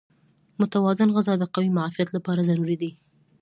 متوازن غذا د قوي معافیت لپاره ضروري ده.